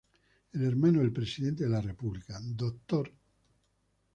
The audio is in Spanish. El hermano del Presidente de la República, Dr.